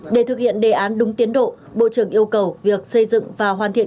để thực hiện đề án đúng tiến độ bộ trưởng yêu cầu việc xây dựng và hoàn thiện